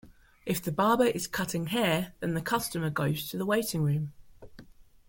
If the barber is cutting hair, then the customer goes to the waiting room.